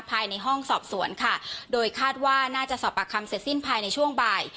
ภายในห้องสอบสวนค่ะโดยคาดว่าน่าจะสอบปากคำเสร็จสิ้นภายในช่วงบ่าย